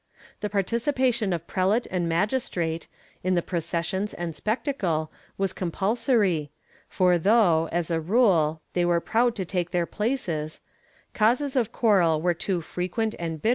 The participation of prelate and magistrate, in the processions and spectacle, was compulsory, for though, as a rule, they were proud to take their places, causes of quarrel were too frequent and bitter » Archive de Simancas, Inq.